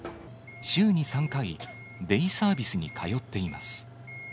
週に３回、デイサービスに通っています。